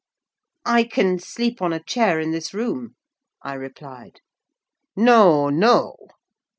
"I can sleep on a chair in this room," I replied. "No, no!